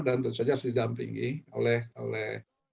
dan tentu saja harus didampingi oleh anak anak